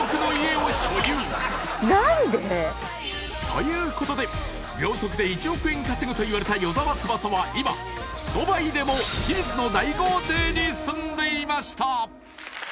［ということで秒速で１億円稼ぐといわれた与沢翼は今ドバイでもヒルズの大豪邸に住んでいました］